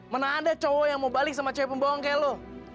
mana ada cowok yang mau balik sama cewek pembohong kayak lo